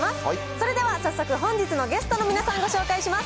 それでは早速、本日のゲストの皆さん、ご紹介します。